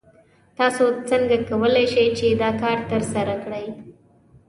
تاسو څنګه کولی شئ چې دا کار ترسره کړئ؟